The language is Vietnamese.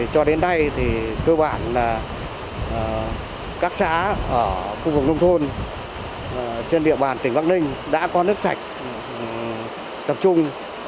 cho đến nay thì cơ bản là các xã ở khu vực nông thôn trên địa bàn tỉnh bắc ninh đã có nước sạch tập trung